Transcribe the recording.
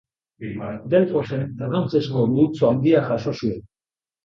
Delfosen brontzezko multzo handia jaso zuen.